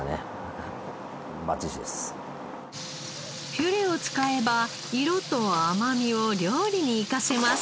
ピュレを使えば色と甘みを料理に生かせます。